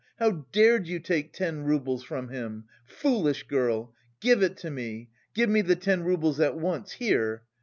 how dared you take ten roubles from him? Foolish girl! Give it to me! Give me the ten roubles at once here!"